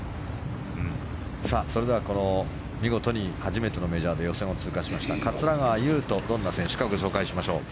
それでは、見事に初めてのメジャーで予選を通過しました桂川有人、どんな選手かご紹介しましょう。